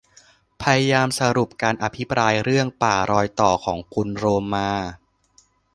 พยายามสรุปการอภิปรายเรื่อง ป่ารอยต่อ ของคุณโรมมา